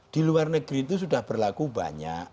di luar negeri itu sudah berlaku banyak